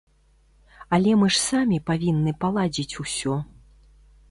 Але мы ж самі павінны паладзіць усё.